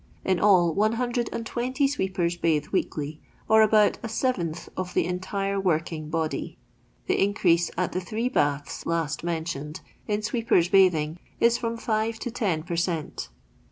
In all, 120 sweepers bathe weekly, or about a seventh of the entire working body. The in crease at the three baths last mentioned, in sweepers bathing, is from 5 to 10 per cent.